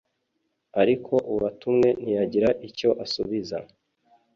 ariko uwatumwe ntiyagira icyo asubiza